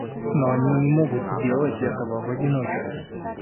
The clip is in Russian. Но они не могут сделать этого в одиночку.